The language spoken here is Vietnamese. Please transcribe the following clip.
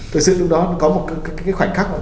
thực sự lúc đó có một cái khoảnh khắc